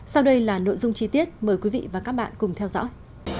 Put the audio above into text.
sau đây là nội dung chi tiết mời quý vị và các bạn cùng theo dõi